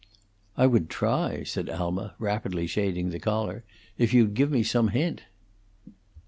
"I would try," said Alma, rapidly shading the collar, "if you'd give me some hint."